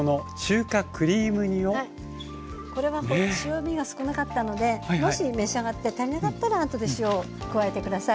これは塩味が少なかったのでもし召し上がって足りなかったらあとで塩を加えて下さい。